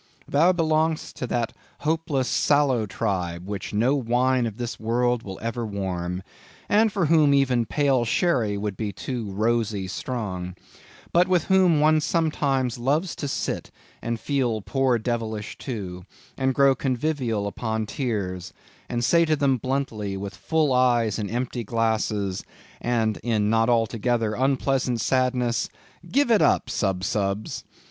Thou belongest to that hopeless, sallow tribe which no wine of this world will ever warm; and for whom even Pale Sherry would be too rosy strong; but with whom one sometimes loves to sit, and feel poor devilish, too; and grow convivial upon tears; and say to them bluntly, with full eyes and empty glasses, and in not altogether unpleasant sadness—Give it up, Sub Subs!